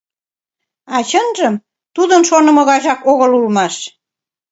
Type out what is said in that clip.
А чынжым, тудын шонымо гайжак огыл улмаш.